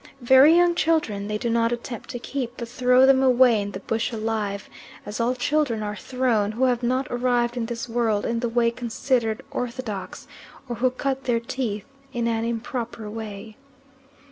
Very young children they do not attempt to keep, but throw them away in the bush alive, as all children are thrown who have not arrived in this world in the way considered orthodox, or who cut their teeth in an improper way.